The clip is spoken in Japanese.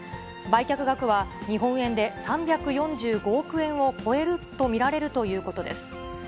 売却額は日本円で３４５億円を超えると見られるということです。